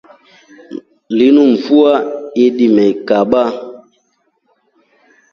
Lunu mfua yeidimekaba.